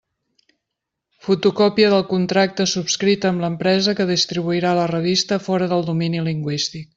Fotocòpia del contracte subscrit amb l'empresa que distribuirà la revista fora del domini lingüístic.